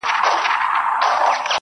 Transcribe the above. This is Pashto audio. ستا د پښو ترپ ته هركلى كومه_